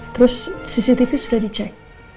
terus cctv sudah dicek